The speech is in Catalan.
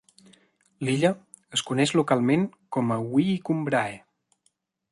L'illa es coneix localment com a Wee Cumbrae.